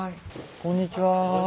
こんにちは。